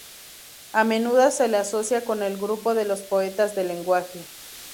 A menudo se le asocia con el grupo de los Poetas del Lenguaje.